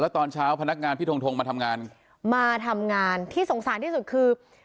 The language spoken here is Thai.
ตอนเช้าพนักงานพี่ทงทงมาทำงานมาทำงานที่สงสารที่สุดคือ